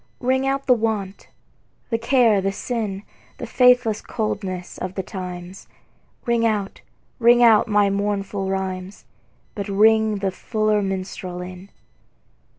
Ring out the want, the care the sin, The faithless coldness of the times; Ring out, ring out my mournful rhymes, But ring the fuller minstrel in.